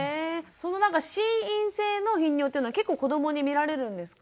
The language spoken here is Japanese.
そのなんか心因性の頻尿というのは結構子どもに見られるんですか？